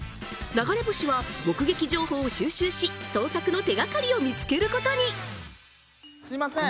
流れ星☆は目撃情報を収集し捜索の手がかりを見つけることにすいません